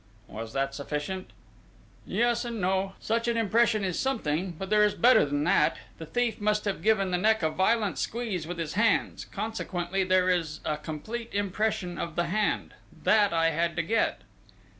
"Was that sufficient?" "Yes, and no; such an impression is something; but there is better than that! The thief must have given the neck a violent squeeze with his hands, consequently there is a complete impression of the hand ... that I had to get...."